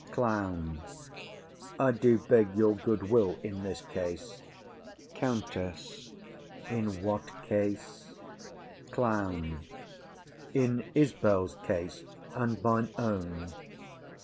CLOWN. I do beg your good will in this case. COUNTESS. In what case? CLOWN. In Isbel's case and mine own.